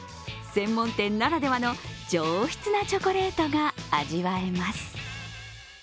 専門店ならではの上質なチョコレートが味わえます。